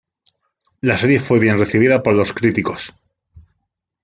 La serie fue bien recibida por los críticos.